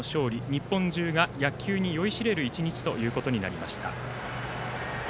日本中が野球に酔いしれる１日となりました。